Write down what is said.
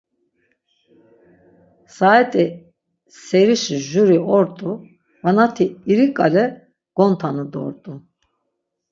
Saet̆i serişi juri ort̆u vanati iri ǩale gontanu dort̆u.